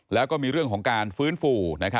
แล้วก็มีเรื่องของการฟื้นฟู